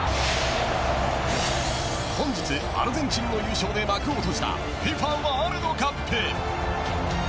本日アルゼンチンの優勝で幕を閉じたＦＩＦＡワールドカップ。